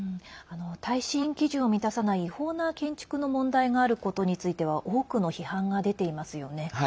耐震基準を満たさない違法な建築の問題があることについては多くの批判が出ていますよね。